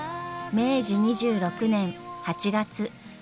明治２６年８月。